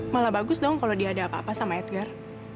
malah bagus dong kalau dia ada apa apa sama edgar